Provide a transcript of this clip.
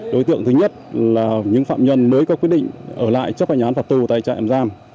đối tượng thứ nhất là những phạm nhân mới có quyết định ở lại chấp hành án phạt tù tại trại tạm giam